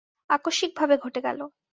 আকস্মিকভাবে ঘটে গেল।